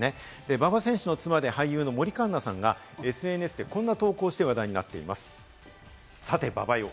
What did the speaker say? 馬場選手の妻で俳優の森カンナさんがＳＮＳでこんな投稿して話題になっています。